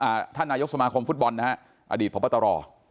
ท่านนายกสมาคมฟุตบอลนะฮะอดีตพบตร